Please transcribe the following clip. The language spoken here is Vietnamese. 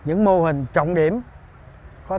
từ những cái mô hình trọng điểm có tính ưu tiên được phá cho mình